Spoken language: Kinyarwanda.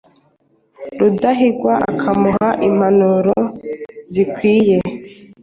Rudahigwa akamuha impanuro zikwiye